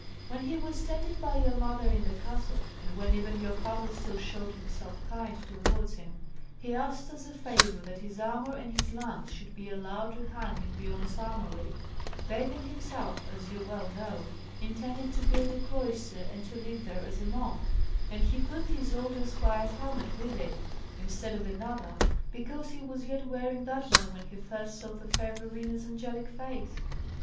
When he was tended by your mother in the castle, and when even your father still showed himself kind towards him, he asked, as a favour, that his armour and his lance should be allowed to hang in Biorn's armoury Weigand himself, as you well know, intended to build a cloister and to live there as a monk and he put his old esquire's helmet with it, instead of another, because he was yet wearing that one when he first saw the fair Verena's angelic face.